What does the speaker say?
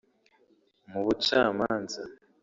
mu bucamanza